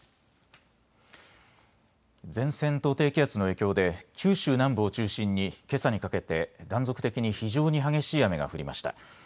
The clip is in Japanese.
前線と低気圧の影響で九州南部を中心にけさにかけて断続的に非常に激しい雨が降りました。